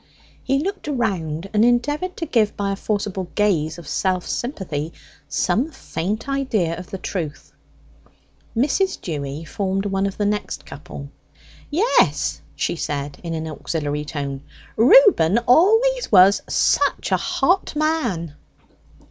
He looked around and endeavoured to give, by a forcible gaze of self sympathy, some faint idea of the truth. Mrs. Dewy formed one of the next couple. "Yes," she said, in an auxiliary tone, "Reuben always was such a hot man."